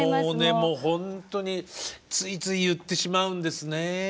もうほんとについつい言ってしまうんですね。